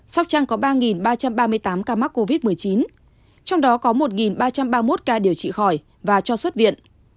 sóc trăng có ba ba trăm ba mươi tám ca mắc covid một mươi chín trong đó có một ba trăm ba mươi một ca điều trị khỏi và cho xuất viện